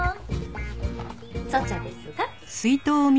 粗茶ですが。